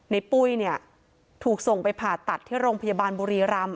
ปุ้ยเนี่ยถูกส่งไปผ่าตัดที่โรงพยาบาลบุรีรำ